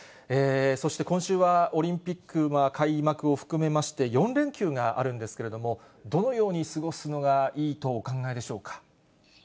そして、今週はオリンピックは開幕を含めまして４連休があるんですけれども、どのように過ごすのがいいとお考えでしょうか。